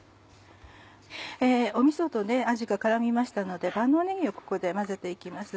みそとあじが絡みましたので万能ねぎをここで混ぜて行きます。